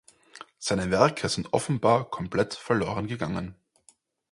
Seine Werke sind offenbar komplett verloren gegangen.